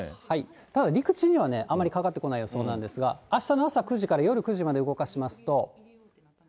ただ、陸地にはあまりかかってこない予想なんですが、あしたの朝９時から夜９時まで動かしますと。